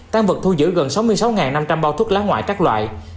tăng vật thu giữ gần sáu mươi sáu năm trăm linh bao thuốc lá ngoại các loại